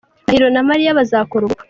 Ndahiro na Mariya bazakora ubukwe.